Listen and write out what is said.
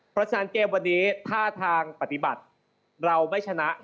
เพราะฉะนั้นเกมวันนี้ท่าทางปฏิบัติเราไม่ชนะ